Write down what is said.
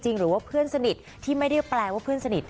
หรือว่าเพื่อนสนิทที่ไม่ได้แปลว่าเพื่อนสนิท